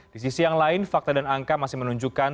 di sisi yang lain fakta dan angka masih menunjukkan